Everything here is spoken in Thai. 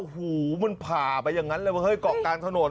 โอ้โหมันผ่าไปอย่างนั้นเลยว่าเฮ้ยเกาะกลางถนน